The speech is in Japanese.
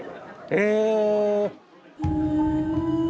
え！